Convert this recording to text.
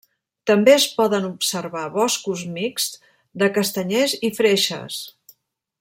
També es poden observar boscos mixts de castanyers i freixes.